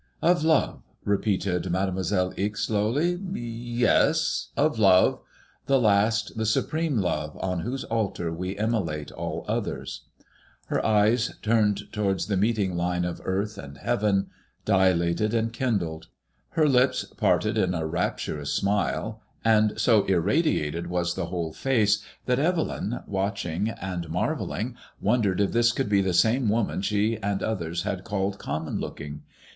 " "Of love," repeated Made moiselle Ixe, slowly; ''yes, of love : the last, the supreme love on whose altar we immolate all others," Her eyes turned towards the meeting line of earth and heaven, dilated and kindled; her lips parted in a rapturous smile, and so irradiated was the whole face that Evelyn, watching and mar velling, wondered if this could be the same woman she and others had called common look ing.